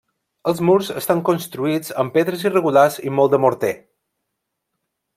Els murs estan construïts amb pedres irregulars i molt morter.